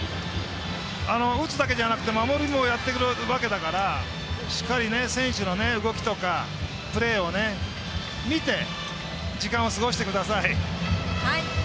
打つだけじゃなくて守りもやっているわけだからしっかり選手の動きとかプレーを見て時間を過ごしてください。